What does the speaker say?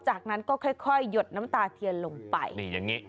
จากนั้นก็ค่อยค่อยหยดน้ำตาเทียนลงไปนี่อย่างนี้